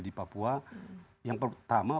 di papua yang pertama